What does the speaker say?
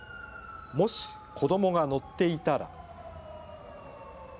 もし子どもが乗っていたら。